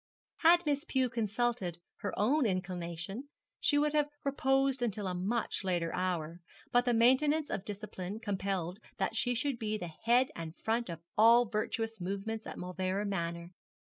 Had Miss Pew consulted her own inclination she would have reposed until a much later hour; but the maintenance of discipline compelled that she should be the head and front of all virtuous movements at Mauleverer Manor.